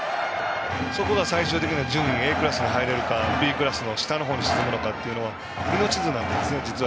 そこが最終的な順位Ａクラスに入れるかＢクラスの下になるかの命綱なんですね、実は。